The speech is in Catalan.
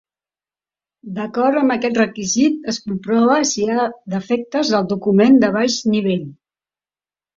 D'acord amb aquest requisit, es comprova si hi ha defectes al document de baix nivell.